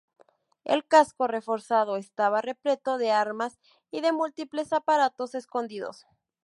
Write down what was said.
El casco reforzado estaba repleto de armas y de múltiples aparatos escondidos.